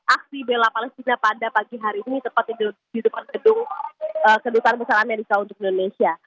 aksi bela palestina pada pagi hari ini tepatnya di depan gedung kedutaan besar amerika untuk indonesia